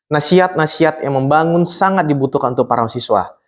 nasihat nasihat yang membangun sangat dibutuhkan untuk para siswa